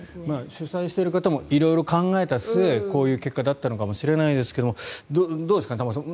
主催している方も色々考えた末こういう結果だったのかもしれないですけどどうですかね、玉川さん